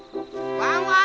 ワンワン